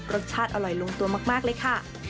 รสชาติอร่อยลงตัวมากเลยค่ะ